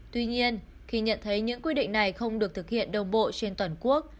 tuy nhiên khi nhận thấy những quy định này không được thực hiện đồng bộ trên toàn quốc